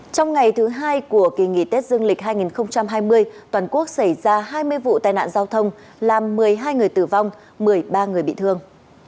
trong ngày thứ hai của kỳ nghỉ tết dương lịch hai nghìn hai mươi toàn quốc xảy ra hai mươi vụ tai nạn giao thông làm một mươi hai người tử vong một mươi ba người bị thương